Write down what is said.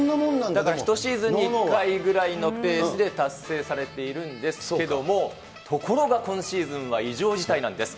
だから１シーズンに１回ぐらいのペースで達成されているんですけれども、ところが今シーズンは異常事態なんです。